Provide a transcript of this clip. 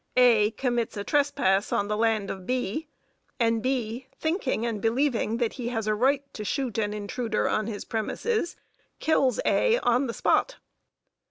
A commits a trespass on the land of B, and B, thinking and believing that he has a right to shoot an intruder on his premises, kills A on the spot.